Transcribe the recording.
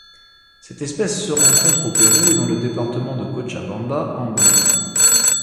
Cette espèce se rencontre au Pérou et dans le département de Cochabamba en Bolivie.